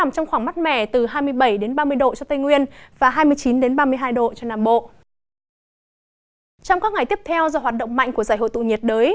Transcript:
trong các ngày tiếp theo do hoạt động mạnh của giải hội tụ nhiệt đới